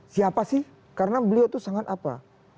siapa sih karena beliau itu sangat apa